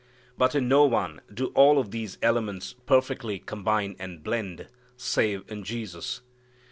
But in no one do all of these elements perfectly combine and blend, save in Jesus.